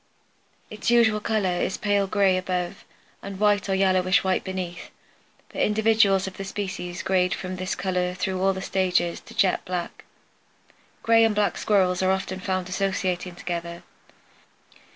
Its usual color is pale gray above and white or yellowish white beneath, but individuals of the species grade from this color through all the stages to jet black. Gray and black Squirrels are often found associating together.